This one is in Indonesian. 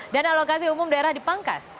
dana alokasi umum daerah di pangkas